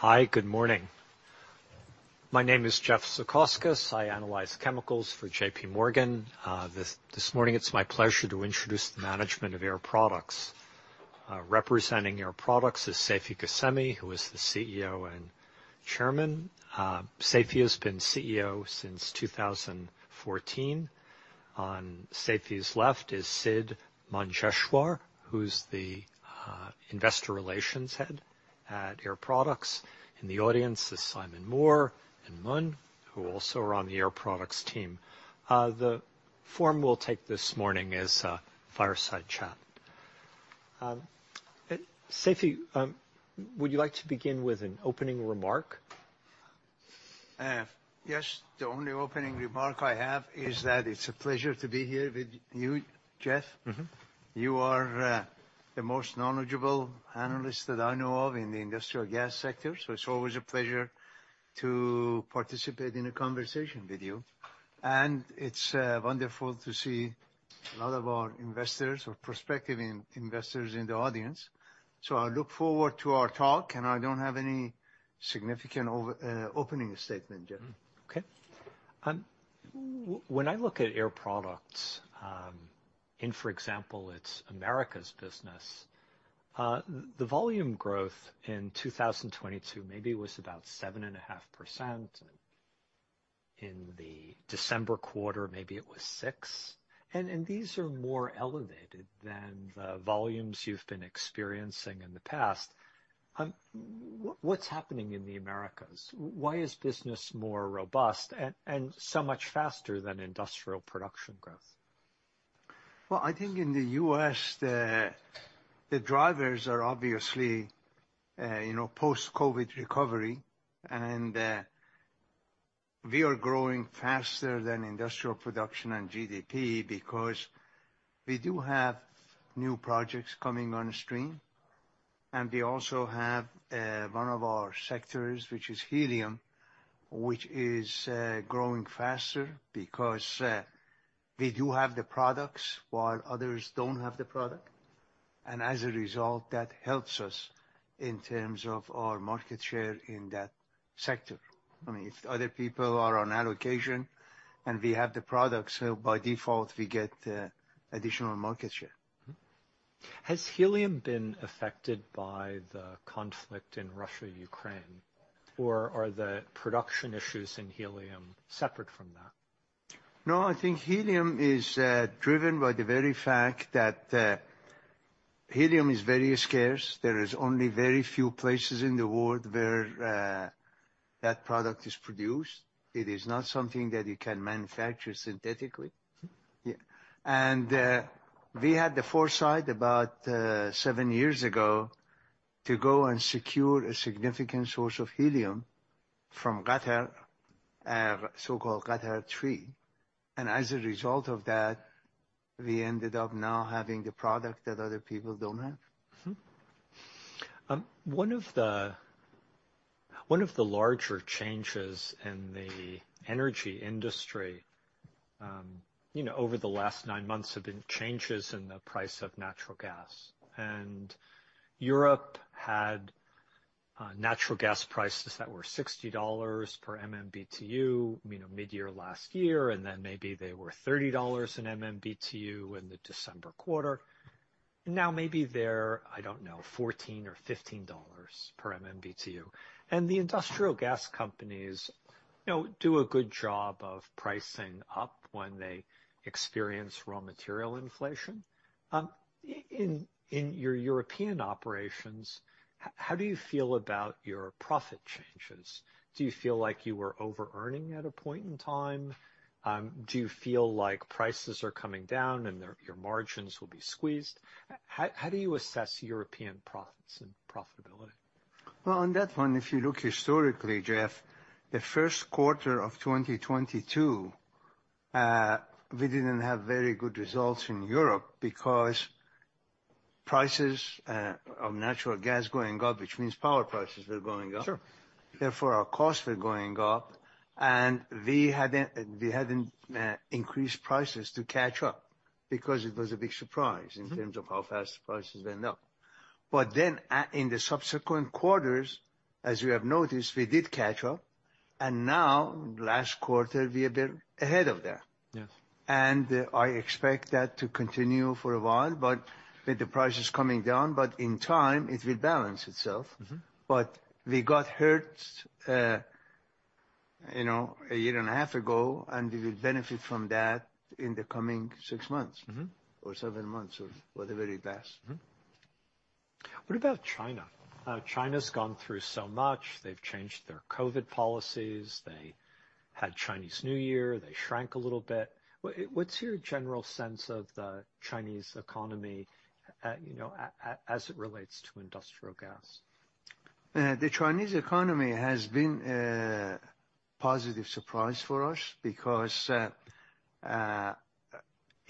Hi, good morning. My name is Jeff Zekauskas. I analyze chemicals for J.P. Morgan. This morning it's my pleasure to introduce the management of Air Products. Representing Air Products is Seifi Ghasemi, who is the CEO and Chairman. Seifi has been CEO since 2014. On Seifi's left is Siddharth Manjeshwar, who's the investor relations head at Air Products. In the audience is Simon Moore and Mun Shieh, who also are on the Air Products team. The form we'll take this morning is fireside chat. Seifi, would you like to begin with an opening remark? Yes. The only opening remark I have is that it's a pleasure to be here with you, Jeff. Mm-hmm. You are the most knowledgeable analyst that I know of in the industrial gas sector, so it's always a pleasure to participate in a conversation with you. It's wonderful to see a lot of our investors or prospective investors in the audience. I look forward to our talk, and I don't have any significant opening statement, Jeff. Mm-hmm. Okay. when I look at Air Products, in, for example, its Americas business, the volume growth in 2022 maybe was about 7.5%. In the December quarter, maybe it was six. These are more elevated than the volumes you've been experiencing in the past. What's happening in the Americas? Why is business more robust and so much faster than industrial production growth? Well, I think in the U.S. the drivers are obviously, you know, post-COVID recovery. We are growing faster than industrial production and GDP because we do have new projects coming on stream. We also have one of our sectors, which is helium, which is growing faster because we do have the products while others don't have the product. As a result, that helps us in terms of our market share in that sector. I mean, if other people are on allocation and we have the product, so by default we get additional market share. Has helium been affected by the conflict in Russia-Ukraine, or are the production issues in helium separate from that? No, I think helium is driven by the very fact that helium is very scarce. There is only very few places in the world where that product is produced. It is not something that you can manufacture synthetically. Mm-hmm. Yeah. We had the foresight about seven years ago to go and secure a significant source of helium from Qatar, so-called Helium-3. As a result of that, we ended up now having the product that other people don't have. One of the larger changes in the energy industry, you know, over the last nine months have been changes in the price of natural gas. Europe had natural gas prices that were $60 per MMBTU, you know, mid-year last year, then maybe they were $30 in MMBTU in the December quarter. Now maybe they're, I don't know, $14 or $15 per MMBTU. The industrial gas companies, you know, do a good job of pricing up when they experience raw material inflation. In your European operations, how do you feel about your profit changes? Do you feel like you were overearning at a point in time? Do you feel like prices are coming down and their, your margins will be squeezed? How do you assess European profits and profitability? Well, on that one, if you look historically, Jeff, the first quarter of 2022, we didn't have very good results in Europe because prices of natural gas going up, which means power prices were going up. Sure. Therefore, our costs were going up. We hadn't increased prices to catch up because it was a big surprise. Mm-hmm In terms of how fast prices went up. In the subsequent quarters, as you have noticed, we did catch up. Now last quarter we are a bit ahead of that. Yes. I expect that to continue for a while, but with the prices coming down. In time, it will balance itself. Mm-hmm. We got hurt, you know, a year and a half ago, and we will benefit from that in the coming six months. Mm-hmm Or seven months or whatever it lasts. Mm-hmm. What about China? China's gone through so much. They've changed their COVID policies. They had Chinese New Year. They shrank a little bit. What's your general sense of the Chinese economy, you know, as it relates to industrial gas? The Chinese economy has been a positive surprise for us because, you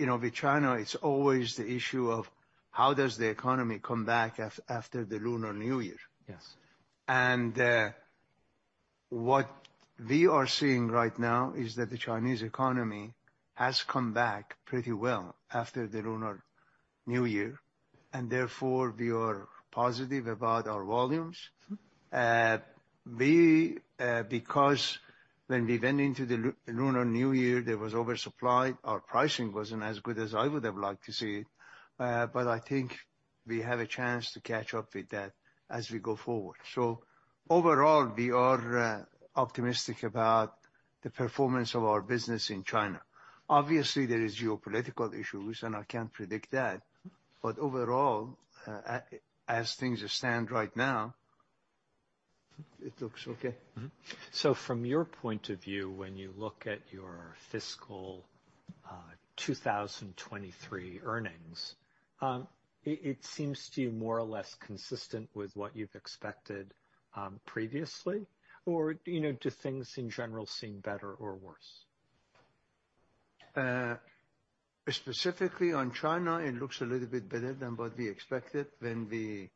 know with China, it's always the issue of how does the economy come back after the Lunar New Year. Yes. What we are seeing right now is that the Chinese economy has come back pretty well after the Lunar New Year, and therefore we are positive about our volumes. We, because when we went into the Lunar New Year, there was oversupply. Our pricing wasn't as good as I would have liked to see it, but I think we have a chance to catch up with that as we go forward. Overall, we are optimistic about the performance of our business in China. Obviously, there is geopolitical issues, and I can't predict that. Overall, as things stand right now, it looks okay. From your point of view, when you look at your fiscal 2023 earnings, it seems to you more or less consistent with what you've expected, previously? You know, do things in general seem better or worse? Specifically on China, it looks a little bit better than what we expected when we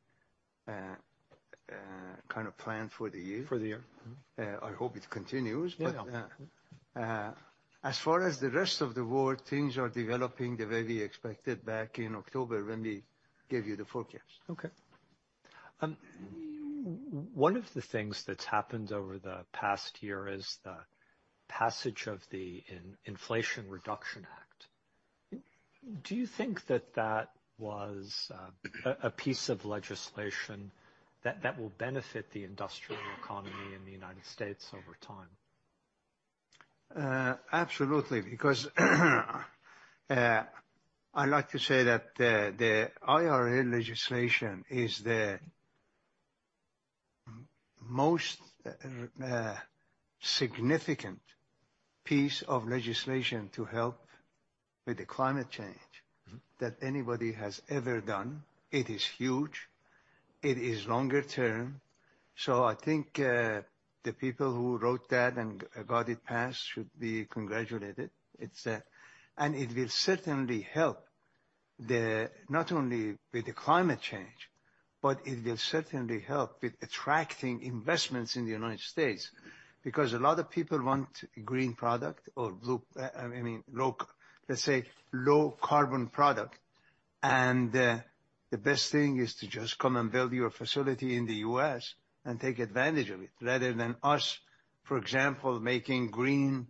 kind of planned for the year. For the year, mm-hmm. I hope it continues. Yeah. As far as the rest of the world, things are developing the way we expected back in October when we gave you the forecast. Okay. One of the things that's happened over the past year is the passage of the Inflation Reduction Act. Do you think that that was a piece of legislation that will benefit the industrial economy in the United States over time? absolutely, because I like to say that the IRA legislation is the most significant piece of legislation to help with the climate change. Mm-hmm that anybody has ever done. It is huge. It is longer term. I think the people who wrote that and got it passed should be congratulated. It's. It will certainly help not only with the climate change, but it will certainly help with attracting investments in the United States. A lot of people want green product or blue, I mean, low, let's say low carbon product. The best thing is to just come and build your facility in the U.S. and take advantage of it rather than us, for example, making green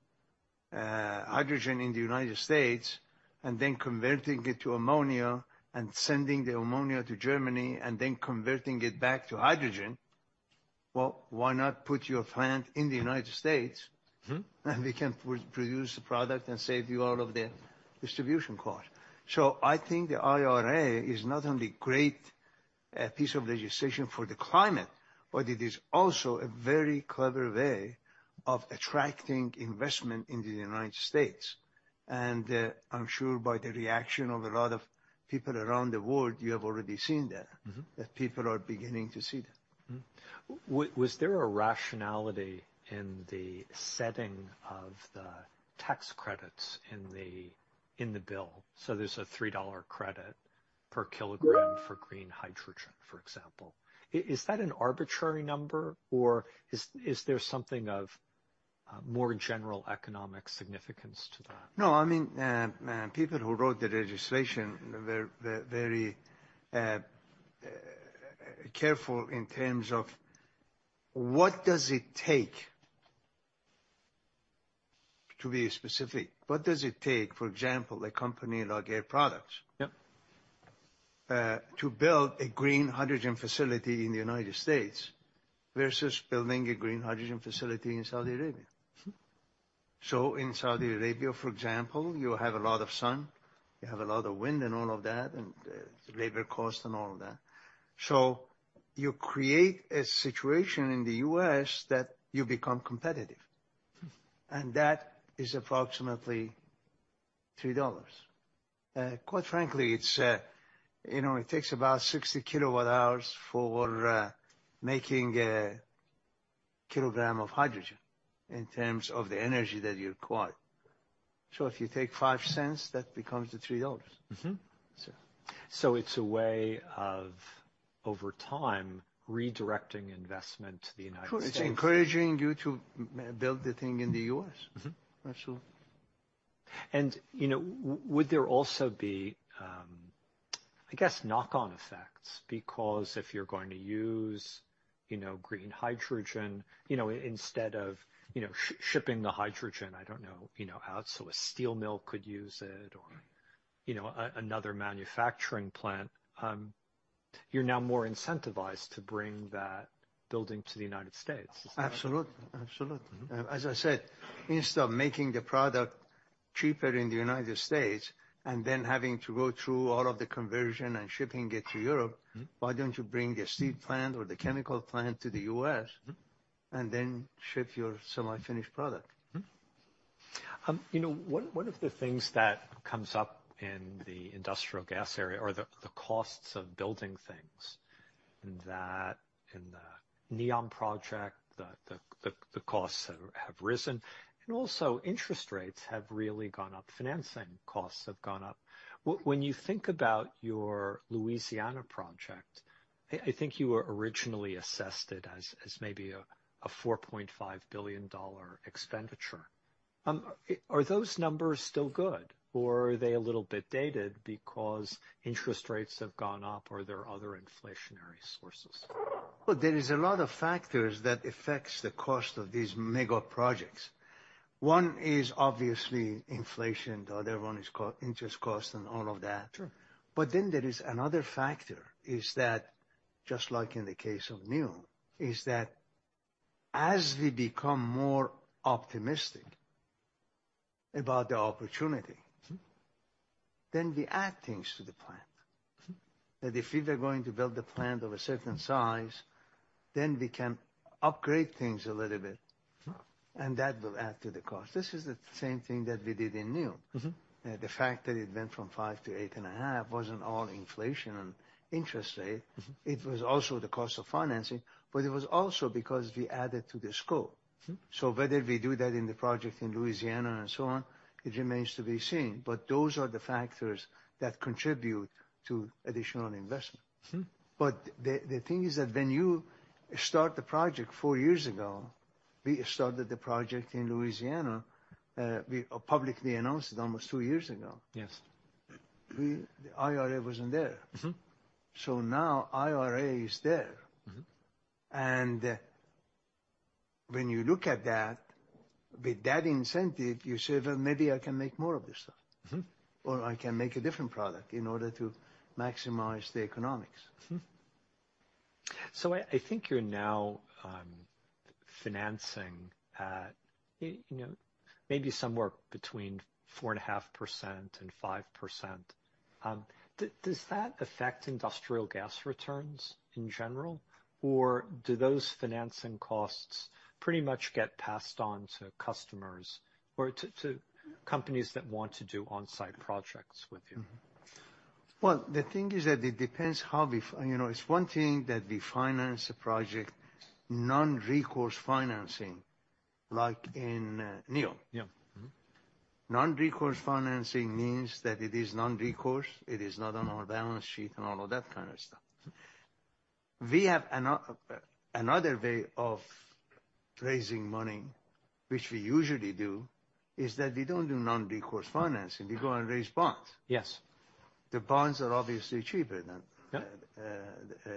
hydrogen in the United States and then converting it to ammonia and sending the ammonia to Germany and then converting it back to hydrogen. Well, why not put your plant in the United States. Mm-hmm And we can produce the product and save you all of the distribution cost? I think the IRA is not only great piece of legislation for the climate, but it is also a very clever way of attracting investment in the United States. I'm sure by the reaction of a lot of people around the world, you have already seen that. Mm-hmm. That people are beginning to see that. Mm-hmm. Was there a rationality in the setting of the tax credits in the bill? There's a $3 credit per kilogram for green hydrogen, for example. Is that an arbitrary number, or is there something of more general economic significance to that? I mean, people who wrote the legislation, they're very careful in terms of what does it take to be specific? What does it take, for example, a company like Air Products. Yeah To build a green hydrogen facility in the United States versus building a green hydrogen facility in Saudi Arabia? Mm-hmm. In Saudi Arabia, for example, you have a lot of sun, you have a lot of wind and all of that, and labor cost and all of that. You create a situation in the U.S. that you become competitive. Mm-hmm. That is approximately $3. Quite frankly, it's, you know, it takes about 60 kilowatt hours for making a kilogram of hydrogen in terms of the energy that you require. If you take $0.05, that becomes the $3. Mm-hmm. So. It's a way of, over time, redirecting investment to the United States. It's encouraging you to build the thing in the U.S. Mm-hmm. That's all. You know, would there also be, I guess, knock-on effects? Because if you're going to use, you know, green hydrogen, you know, instead of, you know, shipping the hydrogen, I don't know, you know, out so a steel mill could use it or, you know, another manufacturing plant, you're now more incentivized to bring that building to the United States. Absolutely. Absolutely. Mm-hmm. As I said, instead of making the product cheaper in the United States and then having to go through all of the conversion and shipping it to Europe... Mm-hmm Why don't you bring the steel plant or the chemical plant to the U.S. Mm-hmm Ship your semi-finished product? You know, one of the things that comes up in the industrial gas area are the costs of building things, and that in the Neom project, the costs have risen. Also interest rates have really gone up, financing costs have gone up. When you think about your Louisiana project, I think you were originally assessed it as maybe a $4.5 billion expenditure. Are those numbers still good or are they a little bit dated because interest rates have gone up or there are other inflationary sources? There is a lot of factors that affects the cost of these mega projects. One is obviously inflation. The other one is co-interest cost and all of that. Sure. There is another factor, is that just like in the case of Neom, is that as we become more optimistic about the opportunity. Mm-hmm. We add things to the plant. Mm-hmm. If we were going to build the plant of a certain size, then we can upgrade things a little bit. Mm-hmm. That will add to the cost. This is the same thing that we did in Neom. Mm-hmm. The fact that it went from five-8.5 wasn't all inflation and interest rate. Mm-hmm. It was also the cost of financing, but it was also because we added to the scope. Mm-hmm. Whether we do that in the project in Louisiana and so on, it remains to be seen, but those are the factors that contribute to additional investment. Mm-hmm. The thing is that when you start the project four years ago, we started the project in Louisiana, we publicly announced it almost 2 years ago. Yes. IRA wasn't there. Mm-hmm. Now IRA is there. Mm-hmm. When you look at that, with that incentive, you say, "Well, maybe I can make more of this stuff. Mm-hmm. I can make a different product in order to maximize the economics. I think you're now financing at, you know, maybe somewhere between 4.5% and 5%. Does that affect industrial gas returns in general? Do those financing costs pretty much get passed on to customers or to companies that want to do on-site projects with you? Well, the thing is that it depends. You know, it's one thing that we finance a project, non-recourse financing, like in Neom. Yeah. Mm-hmm. Non-recourse financing means that it is non-recourse, it is not on our balance sheet and all of that kind of stuff. We have another way of raising money, which we usually do, is that we don't do non-recourse financing. We go and raise bonds. Yes. The bonds are obviously cheaper. Yeah.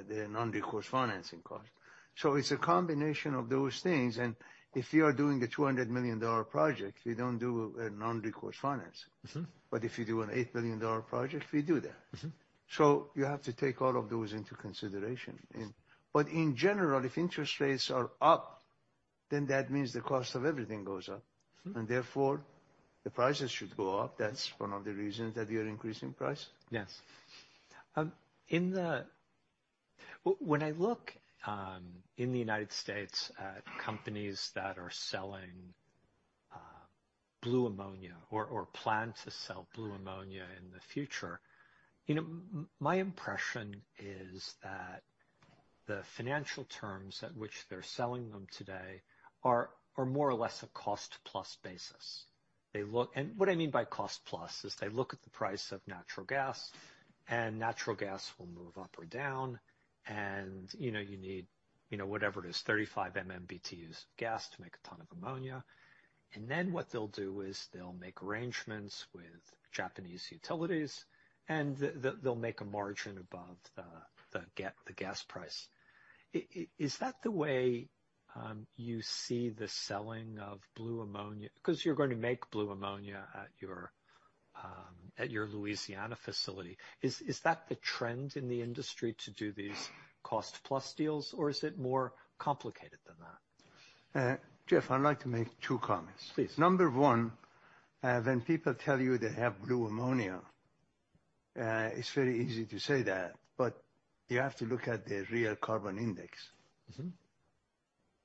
The non-recourse financing cost. It's a combination of those things, and if you are doing a $200 million project, we don't do a non-recourse financing. Mm-hmm. If you do an $8 billion project, we do that. Mm-hmm. You have to take all of those into consideration in. In general, if interest rates are up, then that means the cost of everything goes up. Mm-hmm. Therefore, the prices should go up. That's one of the reasons that we are increasing price. Yes. In the United States at companies that are selling blue ammonia or plan to sell blue ammonia in the future, you know, my impression is that the financial terms at which they're selling them today are more or less a cost plus basis. What I mean by cost plus is they look at the price of natural gas, and natural gas will move up or down. You know, you need, you know, whatever it is, 35 MMBtu of gas to make a ton of ammonia. Then what they'll do is they'll make arrangements with Japanese utilities, and they'll make a margin above the gas price. Is that the way you see the selling of blue ammonia? You're going to make blue ammonia at your at your Louisiana facility. Is that the trend in the industry to do these cost plus deals or is it more complicated than that? Jeff, I'd like to make two comments. Please. Number one, when people tell you they have blue ammonia, it's very easy to say that, but you have to look at the real carbon index. Mm-hmm.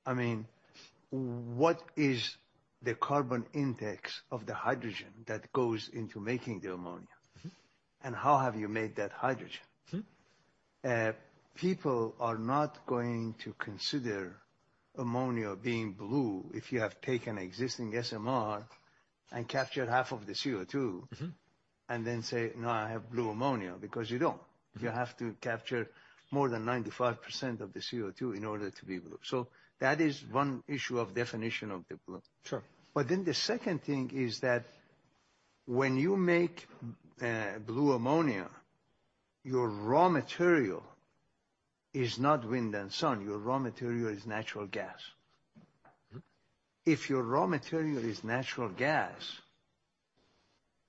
I mean, what is the carbon intensity of the hydrogen that goes into making the ammonia? Mm-hmm. How have you made that hydrogen? Mm-hmm. People are not going to consider ammonia being blue if you have taken existing SMR and captured half of the CO2. Mm-hmm. Then say, "Now I have blue ammonia," because you don't. Mm-hmm. You have to capture more than 95% of the CO2 in order to be blue. That is one issue of definition of the blue. Sure. The second thing is that when you make blue ammonia, your raw material is not wind and sun. Your raw material is natural gas. Mm-hmm. If your raw material is natural gas,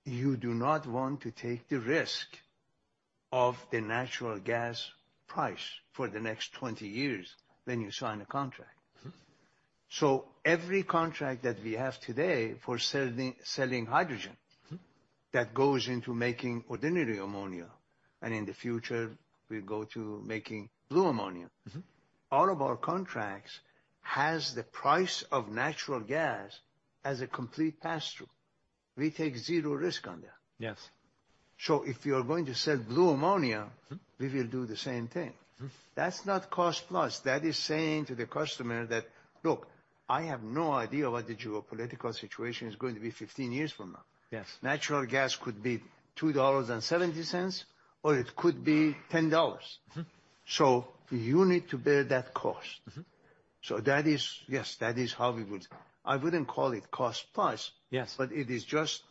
you do not want to take the risk of the natural gas price for the next 20 years when you sign a contract. Mm-hmm. Every contract that we have today for selling hydrogen. Mm-hmm. That goes into making ordinary ammonia. In the future we go to making blue ammonia. Mm-hmm. All of our contracts has the price of natural gas as a complete pass-through. We take zero risk on that. Yes. If you're going to sell blue ammonia. Mm-hmm. We will do the same thing. Mm-hmm. That's not cost plus. That is saying to the customer that, "Look, I have no idea what the geopolitical situation is going to be 15 years from now. Yes. Natural gas could be $2.70, or it could be $10. Mm-hmm. You need to bear that cost. Mm-hmm. That is, yes, that is how we would. I wouldn't call it cost plus. Yes. it is just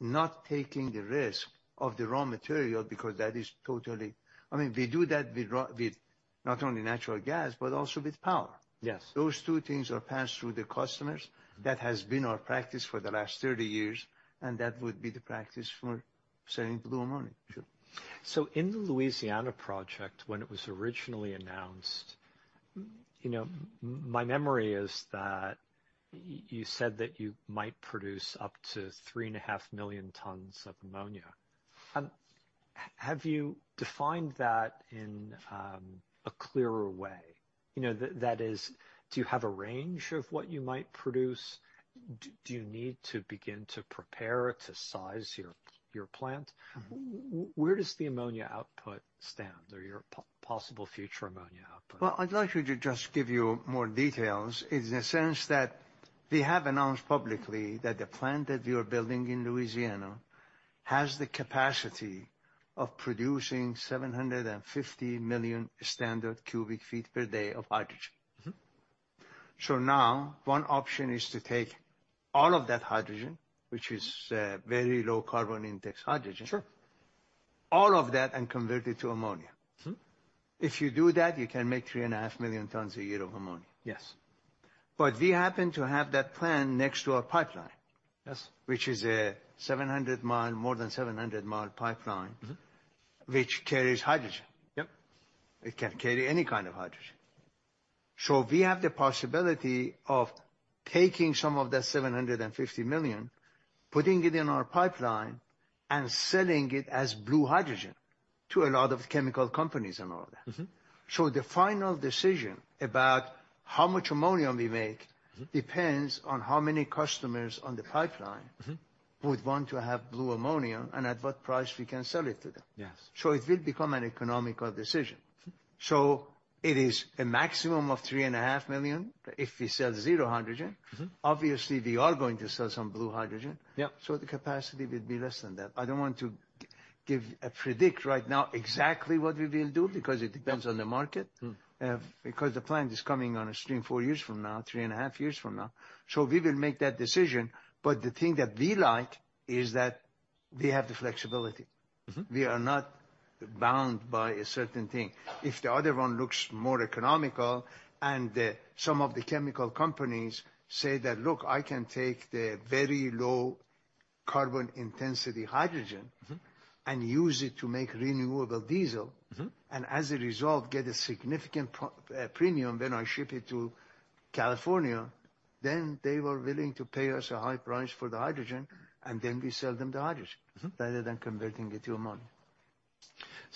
not taking the risk of the raw material because that is totally, I mean, we do that with not only natural gas, but also with power. Yes. Those two things are passed through the customers. That has been our practice for the last 30 years. That would be the practice for selling blue ammonia. Sure. In the Louisiana project, when it was originally announced, you know, my memory is that you said that you might produce up to 3.5 million tons of ammonia. Have you defined that in a clearer way? You know, that is, do you have a range of what you might produce? Do you need to begin to prepare to size your plant? Mm-hmm. Where does the ammonia output stand or your possible future ammonia output? Well, I'd like to just give you more details. It's in the sense that we have announced publicly that the plant that we are building in Louisiana has the capacity of producing 750 million standard cubic feet per day of hydrogen. Mm-hmm. Now, one option is to take all of that hydrogen, which is very low carbon index hydrogen. Sure All of that and convert it to ammonia. Mm-hmm. If you do that, you can make 3.5 million tons a year of ammonia. Yes. We happen to have that plant next to a pipeline. Yes. Which is a 700 mile, more than 700-mi pipeline. Mm-hmm. Which carries hydrogen. Yep. It can carry any kind of hydrogen. We have the possibility of taking some of that $750 million, putting it in our pipeline, and selling it as blue hydrogen to a lot of chemical companies and all that. Mm-hmm. The final decision about how much ammonium we make. Mm-hmm Depends on how many customers on the pipeline Mm-hmm would want to have blue ammonia, and at what price we can sell it to them. Yes. It will become an economical decision. Mm-hmm. It is a maximum of three and a half million if we sell zero hydrogen. Mm-hmm. Obviously, we are going to sell some blue hydrogen. Yep. The capacity will be less than that. I don't want to give predict right now exactly what we will do because it depends on the market. Mm. Because the plant is coming on a stream four years from now, three and a half years from now. We will make that decision. The thing that we like is that we have the flexibility. Mm-hmm. We are not bound by a certain thing. If the other one looks more economical and some of the chemical companies say that, "Look, I can take the very low carbon intensity hydrogen- Mm-hmm And use it to make Renewable Diesel. Mm-hmm. As a result, get a significant premium when I ship it to California, then they were willing to pay us a high price for the hydrogen, and then we sell them the hydrogen. Mm-hmm. Rather than converting it to ammonia.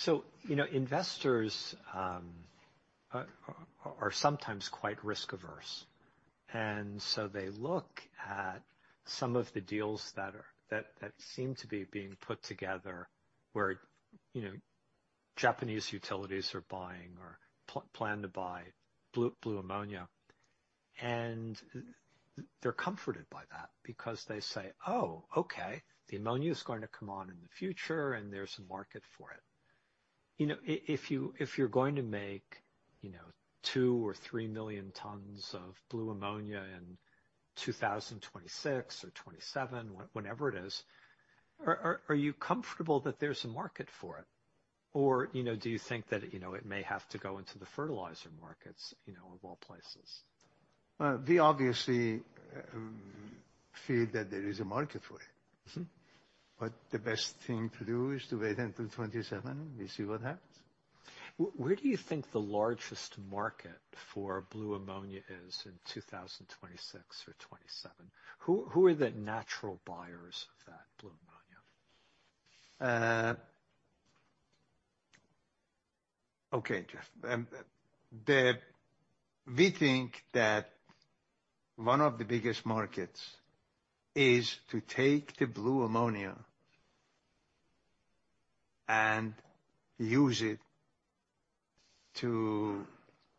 You know, investors are sometimes quite risk-averse, and so they look at some of the deals that seem to be being put together where, you know, Japanese utilities are buying or plan to buy blue ammonia. They're comforted by that because they say, "Oh, okay, the ammonia is going to come on in the future, and there's a market for it." You know, if you're going to make, you know, 2 or 3 million tons of blue ammonia in 2026 or 2027, whenever it is, are you comfortable that there's a market for it? You know, do you think that, you know, it may have to go into the fertilizer markets, you know, of all places? Well, we obviously feel that there is a market for it. Mm-hmm. The best thing to do is to wait until 2027 and see what happens. Where do you think the largest market for blue ammonia is in 2026 or 2027? Who are the natural buyers of that blue ammonia? Okay, Jeff. We think that one of the biggest markets is to take the blue ammonia and use it to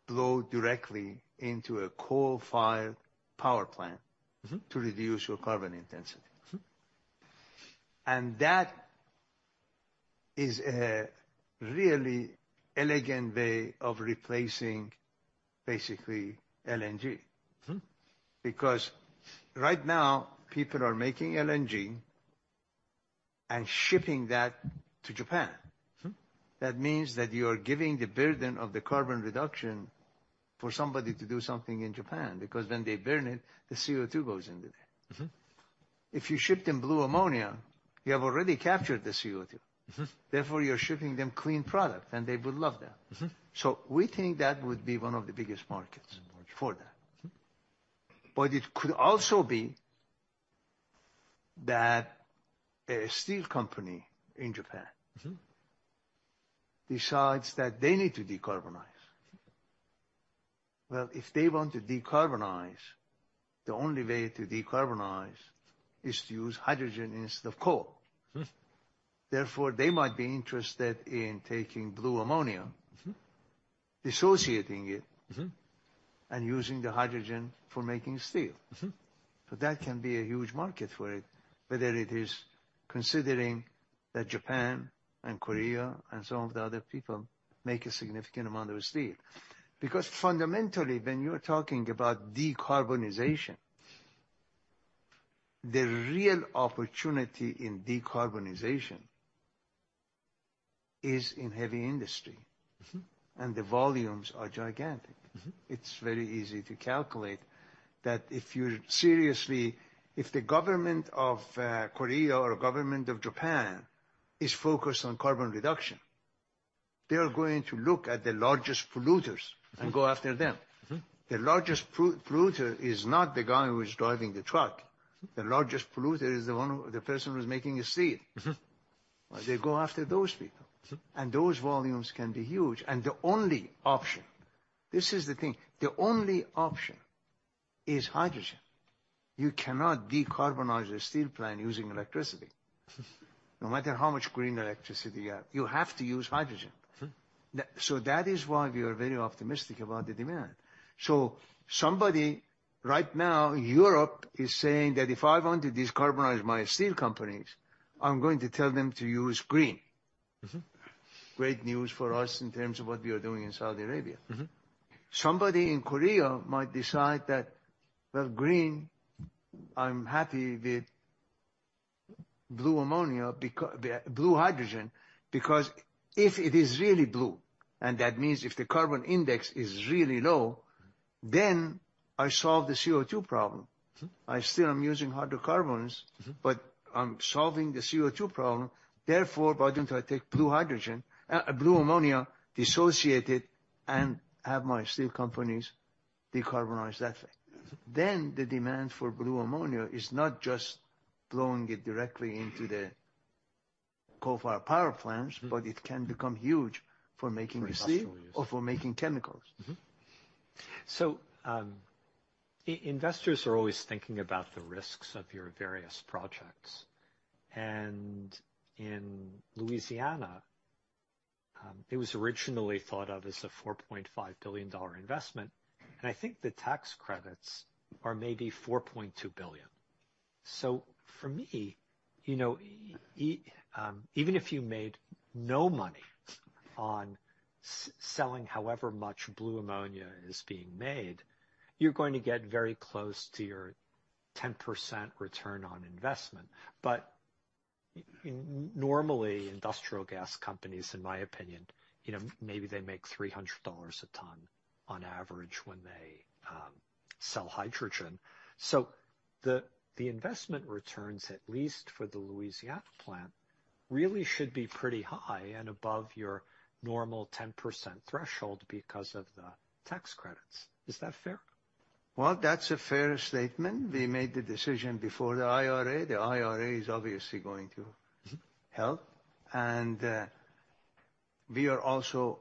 load directly into a coal-fired power plant- Mm-hmm To reduce your carbon intensity. Mm-hmm. That is a really elegant way of replacing, basically, LNG. Mm-hmm. Right now, people are making LNG and shipping that to Japan. Mm-hmm. That means that you are giving the burden of the carbon reduction for somebody to do something in Japan, because when they burn it, the CO2 goes into there. Mm-hmm. If you ship them blue ammonia, you have already captured the CO2. Mm-hmm. Therefore, you're shipping them clean product, and they would love that. Mm-hmm. We think that would be one of the biggest markets. Large For that. Mm-hmm. it could also be that a steel company in Japan... Mm-hmm Decides that they need to decarbonize. Well, if they want to decarbonize, the only way to decarbonize is to use hydrogen instead of coal. Mm-hmm. They might be interested in taking blue ammonia- Mm-hmm Dissociating it. Mm-hmm And using the hydrogen for making steel. Mm-hmm. That can be a huge market for it, whether it is That Japan and Korea and some of the other people make a significant amount of steel. fundamentally, when you're talking about decarbonization, the real opportunity in decarbonization is in heavy industry. Mm-hmm. The volumes are gigantic. Mm-hmm. It's very easy to calculate that if the government of Korea or government of Japan is focused on carbon reduction, they are going to look at the largest polluters. Mm-hmm. Go after them. Mm-hmm. The largest polluter is not the guy who is driving the truck. Mm. The largest polluter is the person who's making the steel. Mm-hmm. They go after those people. Mm. Those volumes can be huge. The only option, this is the thing, the only option is hydrogen. You cannot decarbonize a steel plant using electricity. Mm. No matter how much green electricity you have, you have to use hydrogen. Mm. That is why we are very optimistic about the demand. Somebody right now, Europe is saying that if I want to decarbonize my steel companies, I'm going to tell them to use green. Mm-hmm. Great news for us in terms of what we are doing in Saudi Arabia. Mm-hmm. Somebody in Korea might decide that, well, green, I'm happy with blue ammonia blue hydrogen because if it is really blue, and that means if the carbon index is really low. Mm. I solve the CO2 problem. Mm. I still am using hydrocarbons. Mm-hmm. I'm solving the CO2 problem. Therefore, why don't I take blue hydrogen, blue ammonia dissociated and have my steel companies decarbonize that way? Mm. The demand for blue ammonia is not just blowing it directly into the coal-fired power plants. Mm. It can become huge for making the steel. For industrial use. For making chemicals. Investors are always thinking about the risks of your various projects. In Louisiana, it was originally thought of as a $4.5 billion investment, and I think the tax credits are maybe $4.2 billion. For me, you know, even if you made no money on selling however much blue ammonia is being made, you're going to get very close to your 10% return on investment. Normally, industrial gas companies, in my opinion, you know, maybe they make $300 a ton on average when they sell hydrogen. The investment returns, at least for the Louisiana plant, really should be pretty high and above your normal 10% threshold because of the tax credits. Is that fair? Well, that's a fair statement. We made the decision before the IRA. The IRA is obviously going to help. We are also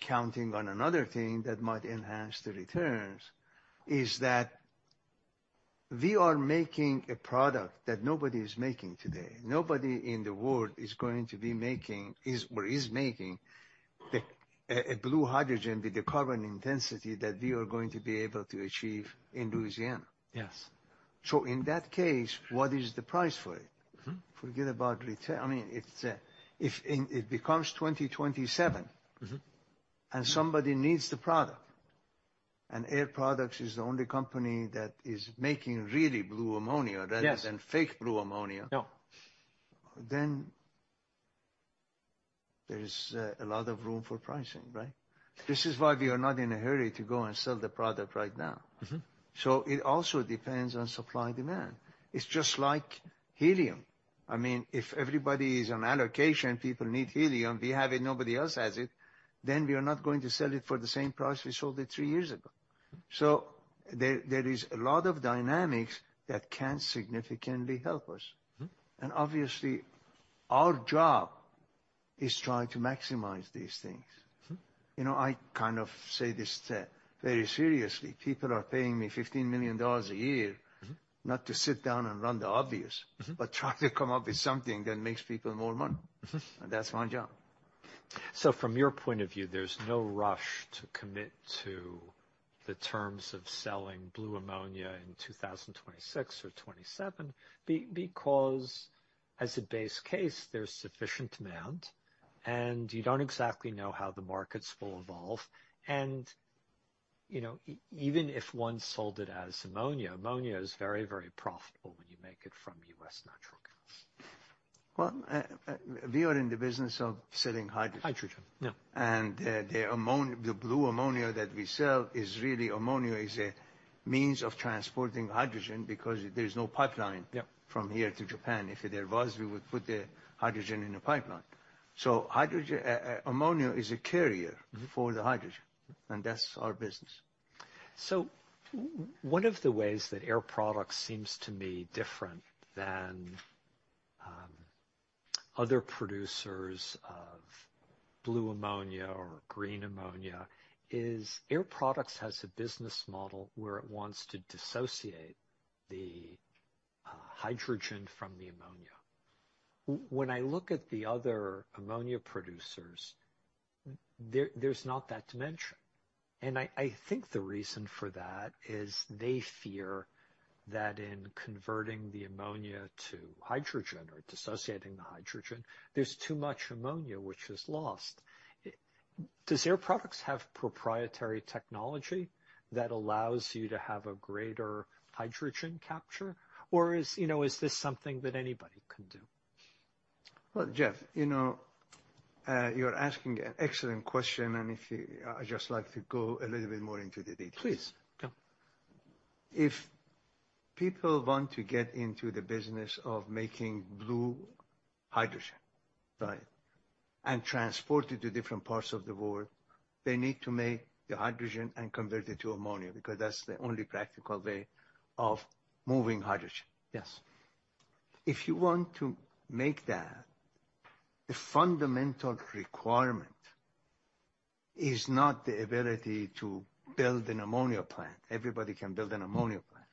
counting on another thing that might enhance the returns, is that we are making a product that nobody is making today. Nobody in the world is, or is making the blue hydrogen with the carbon intensity that we are going to be able to achieve in Louisiana. Yes. In that case, what is the price for it? Mm-hmm. Forget about return. I mean, it's, if it becomes 2027. Mm-hmm. Somebody needs the product, and Air Products is the only company that is making really blue ammonia. Yes. Rather than fake blue ammonia- No. There is a lot of room for pricing, right? This is why we are not in a hurry to go and sell the product right now. Mm-hmm. It also depends on supply and demand. It's just like helium. I mean, if everybody is on allocation, people need helium. We have it, nobody else has it, then we are not going to sell it for the same price we sold it three years ago. There is a lot of dynamics that can significantly help us. Mm. Obviously, our job is trying to maximize these things. Mm. You know, I kind of say this, very seriously. People are paying me $15 million a year. Mm-hmm. Not to sit down and run the obvious. Mm-hmm. Try to come up with something that makes people more money. Mm-hmm. That's my job. From your point of view, there's no rush to commit to the terms of selling blue ammonia in 2026 or 2027 because as a base case, there's sufficient demand, and you don't exactly know how the markets will evolve. You know, even if one sold it as ammonia is very, very profitable when you make it from U.S. natural gas. We are in the business of selling hydrogen. Hydrogen, yeah. The blue ammonia that we sell is really ammonia is a means of transporting hydrogen because there's no pipeline... Yeah. From here to Japan. If there was, we would put the hydrogen in a pipeline. Hydrogen... ammonia is a carrier-. Mm-hmm. For the hydrogen, and that's our business. One of the ways that Air Products seems to me different than other producers of blue ammonia or green ammonia is Air Products has a business model where it wants to dissociate the hydrogen from the ammonia. When I look at the other ammonia producers, there's not that dimension. I think the reason for that is they fear that in converting the ammonia to hydrogen or dissociating the hydrogen, there's too much ammonia which is lost. Does Air Products have proprietary technology that allows you to have a greater hydrogen capture, or is, you know, is this something that anybody can do? Well, Jeff, you know, you're asking an excellent question, and I'd just like to go a little bit more into the details. Please, go. If people want to get into the business of making blue hydrogen, right, and transport it to different parts of the world, they need to make the hydrogen and convert it to ammonia, because that's the only practical way of moving hydrogen. Yes. If you want to make that, the fundamental requirement is not the ability to build an ammonia plant. Everybody can build an ammonia plant.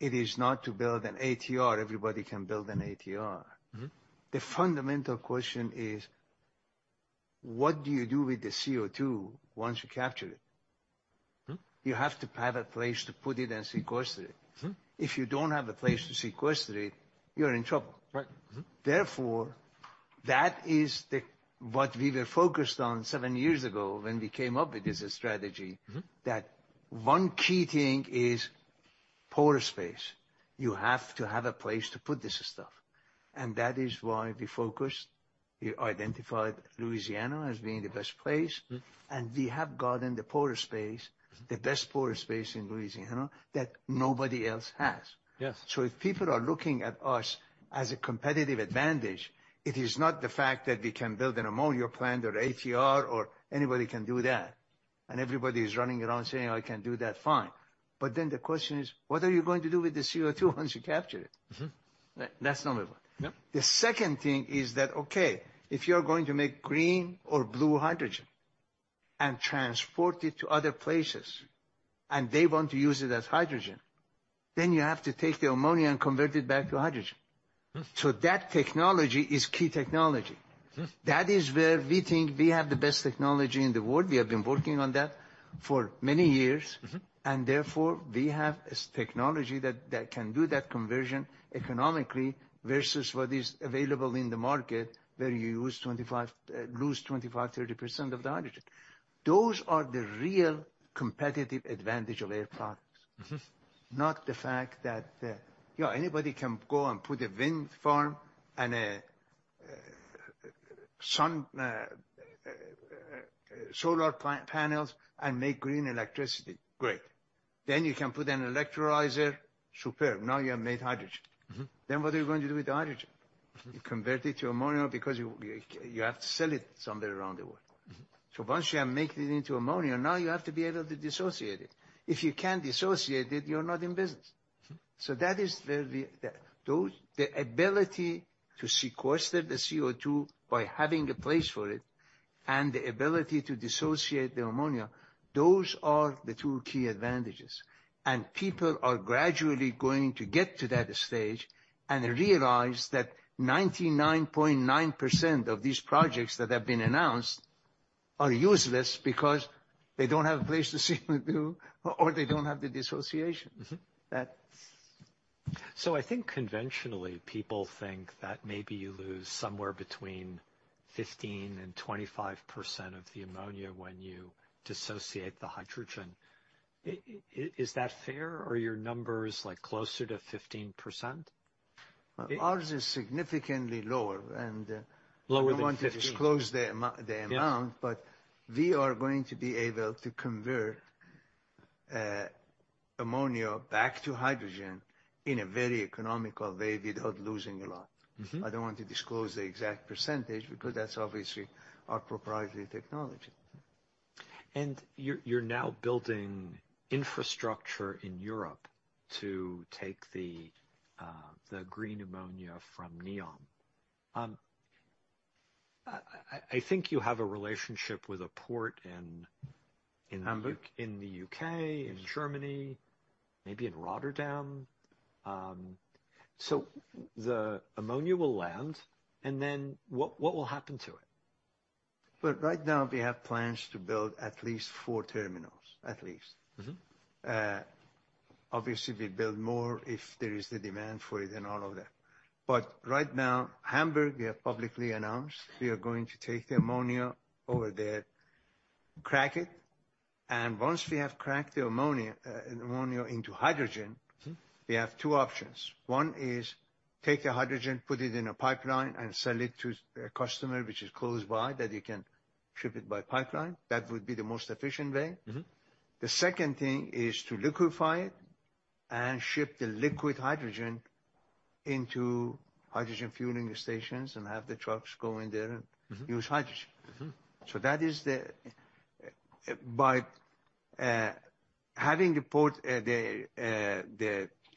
It is not to build an ATR. Everybody can build an ATR. Mm-hmm. The fundamental question is, what do you do with the CO2 once you capture it? Mm-hmm. You have to have a place to put it and sequester it. Mm-hmm. If you don't have a place to sequester it, you're in trouble. Right. Mm-hmm. that is what we were focused on seven years ago when we came up with this strategy. Mm-hmm. That one key thing is pore space. You have to have a place to put this stuff. That is why we focused, we identified Louisiana as being the best place. Mm-hmm. We have gotten the pore space, the best pore space in Louisiana that nobody else has. Yes. If people are looking at us as a competitive advantage, it is not the fact that we can build an ammonia plant or ATR or... Anybody can do that. Everybody's running around saying, "I can do that." Fine. The question is, what are you going to do with the CO2 once you capture it? Mm-hmm. That's number one. Yep. The second thing is that, okay, if you're going to make green or blue hydrogen and transport it to other places, and they want to use it as hydrogen, then you have to take the ammonia and convert it back to hydrogen. Mm-hmm. That technology is key technology. Mm-hmm. That is where we think we have the best technology in the world. We have been working on that for many years. Mm-hmm. Therefore, we have technology that can do that conversion economically versus what is available in the market, where you use 25%, lose 25%, 30% of the hydrogen. Those are the real competitive advantage of Air Products. Mm-hmm. Not the fact that, you know, anybody can go and put a wind farm and a, sun, solar panels and make green electricity. Great. You can put an electrolyzer. Superb. Now you have made hydrogen. Mm-hmm. What are you going to do with the hydrogen? Mm-hmm. You convert it to ammonia because you have to sell it somewhere around the world. Mm-hmm. Once you have made it into ammonia, now you have to be able to dissociate it. If you can't dissociate it, you're not in business. Mm-hmm. That is where the ability to sequester the CO2 by having a place for it, and the ability to dissociate the ammonia, those are the two key advantages. People are gradually going to get to that stage and realize that 99.9% of these projects that have been announced are useless because they don't have a place to sequester or they don't have the dissociation. Mm-hmm. That's- I think conventionally people think that maybe you lose somewhere between 15% and 25% of the ammonia when you dissociate the hydrogen. Is that fair, or are your numbers, like, closer to 15%? Ours is significantly lower. Lower than 15. I don't want to disclose the amount. Yeah We are going to be able to convert ammonia back to hydrogen in a very economical way without losing a lot. Mm-hmm. I don't want to disclose the exact percentage because that's obviously our proprietary technology. You're now building infrastructure in Europe to take the green ammonia from Neom. I think you have a relationship with a port in the U.K. Hamburg in the U.K., in Germany, maybe in Rotterdam. The ammonia will land, and then what will happen to it? Well, right now we have plans to build at least four terminals, at least. Mm-hmm. Obviously, we build more if there is the demand for it and all of that. Right now, Hamburg, we have publicly announced we are going to take the ammonia over there, crack it, and once we have cracked the ammonia into hydrogen-. Mm-hmm We have two options. One is take the hydrogen, put it in a pipeline, and sell it to a customer which is close by, that you can ship it by pipeline. That would be the most efficient way. Mm-hmm. The second thing is to liquefy it and ship the liquid hydrogen into hydrogen fueling stations and have the trucks go in there. Mm-hmm Use hydrogen. Mm-hmm. That is the by having a port,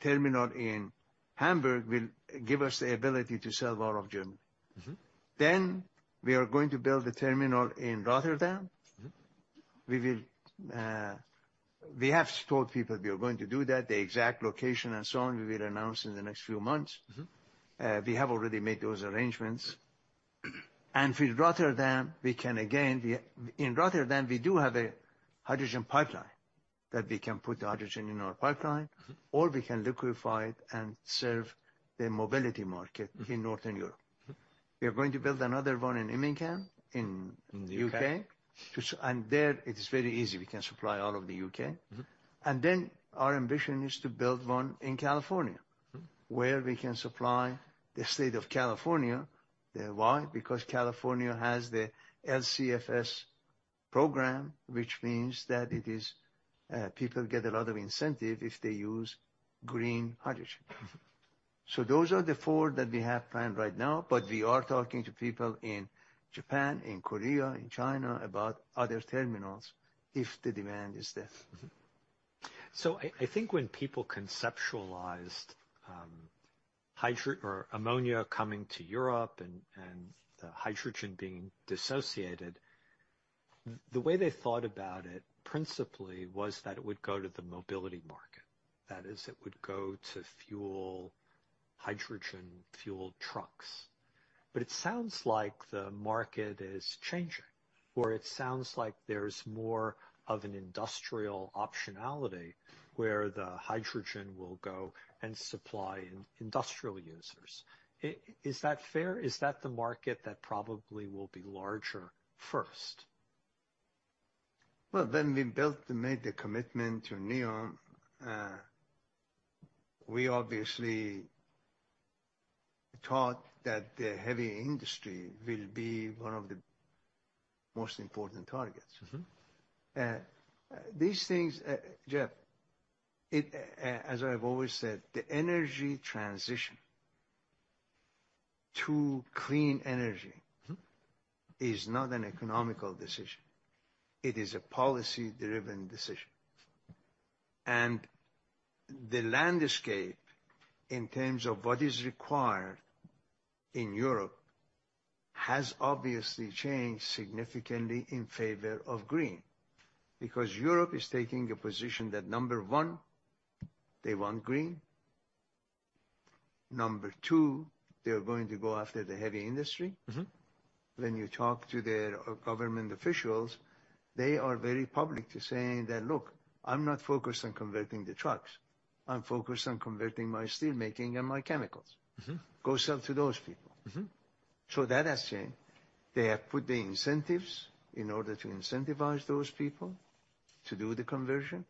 the terminal in Hamburg will give us the ability to sell all of Germany. Mm-hmm. We are going to build a terminal in Rotterdam. Mm-hmm. We have told people we are going to do that. The exact location and so on, we will announce in the next few months. Mm-hmm. We have already made those arrangements. With Rotterdam, we can again, In Rotterdam, we do have a hydrogen pipeline that we can put the hydrogen in our pipeline. Mm-hmm. We can liquefy it and serve the mobility market. Mm-hmm. in Northern Europe. Mm-hmm. We are going to build another one in Immingham. In the U.K. U.K. There it is very easy, we can supply all of the U.K. Mm-hmm. Our ambition is to build one in California. Mm-hmm. Where we can supply the State of California. Why? California has the LCFS program, which means that it is, people get a lot of incentive if they use green hydrogen. Mm-hmm. Those are the four that we have planned right now, but we are talking to people in Japan, in Korea, in China, about other terminals if the demand is there. I think when people conceptualized hydro- or ammonia coming to Europe and hydrogen being dissociated, the way they thought about it principally was that it would go to the mobility market. That is, it would go to fuel hydrogen fuel trucks. It sounds like the market is changing, or it sounds like there's more of an industrial optionality where the hydrogen will go and supply industrial users. Is that fair? Is that the market that probably will be larger first? Well, when we built and made the commitment to Neom, we obviously thought that the heavy industry will be one of the most important targets. Mm-hmm. These things, Jeff, it, as I've always said, the energy transition to clean energy- Mm-hmm. is not an economical decision, it is a policy-driven decision. The landscape, in terms of what is required in Europe, has obviously changed significantly in favor of green. Europe is taking a position that, number 1, they want green. Number 2, they are going to go after the heavy industry. Mm-hmm. When you talk to their government officials, they are very public to saying that, "Look, I'm not focused on converting the trucks. I'm focused on converting my steel making and my chemicals. Mm-hmm. Go sell to those people. Mm-hmm. That has changed. They have put the incentives in order to incentivize those people to do the conversion,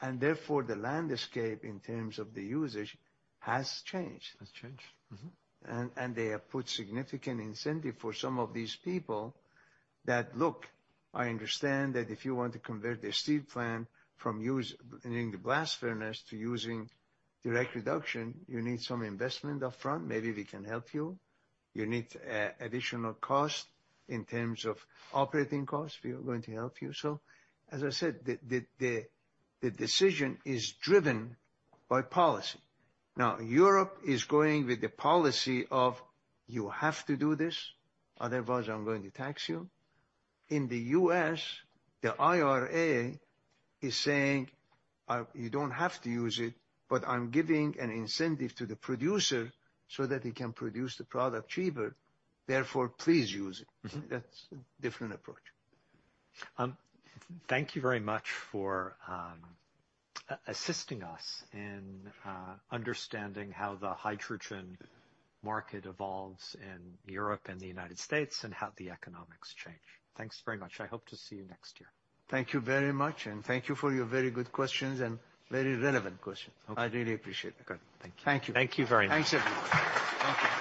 and therefore, the landscape in terms of the usage has changed. Has changed. Mm-hmm. They have put significant incentive for some of these people that, "Look, I understand that if you want to convert the steel plant from using the blast furnace to using direct reduction, you need some investment upfront. Maybe we can help you. You need additional cost in terms of operating costs, we are going to help you." As I said, the decision is driven by policy. Europe is going with the policy of, "You have to do this, otherwise I'm going to tax you." In the U.S., the IRA is saying, "You don't have to use it, but I'm giving an incentive to the producer so that he can produce the product cheaper, therefore please use it. Mm-hmm. That's a different approach. Thank you very much for assisting us in understanding how the hydrogen market evolves in Europe and the United States, and how the economics change. Thanks very much. I hope to see you next year. Thank you very much, and thank you for your very good questions and very relevant questions. Okay. I really appreciate it. Okay. Thank you. Thank you. Thank you very much. Thanks, everyone. Thank you.